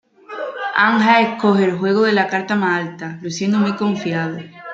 Angel escoge el juego de la carta más alta, luciendo muy confiado.